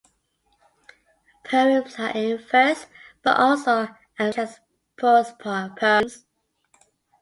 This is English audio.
Poems are in verse, but also arranged as prose poems.